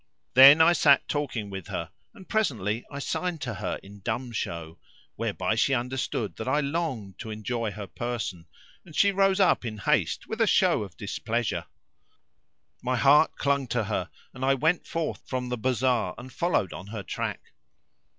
Then I sat talking with her and presently I signed to her in dumb show, whereby she understood that I longed to enjoy her person,[FN#525] and she rose up in haste with a show of displeasure. My heart clung to her and I went forth from the bazar and followed on her track.